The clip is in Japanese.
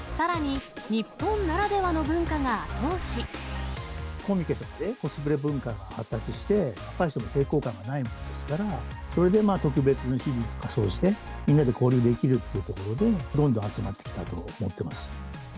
さらに、コミケとかで、コスプレ文化が発達して、若い人の抵抗感がないものですから、それで特別に仮装してみんなで交流できるっていうところで、どんどん集まってきたと思ってます。